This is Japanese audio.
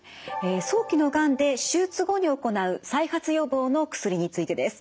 早期のがんで手術後に行う再発予防の薬についてです。